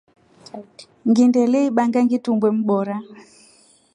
Ngindelye ibanga ngitumbwe mboora.